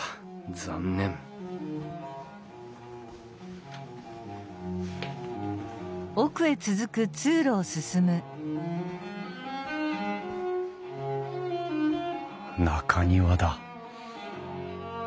残念中庭だ。